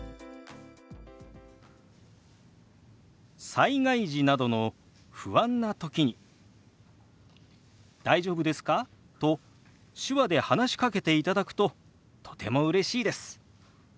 災害時などの不安な時に「大丈夫ですか？」と手話で話しかけていただくととてもうれしいです。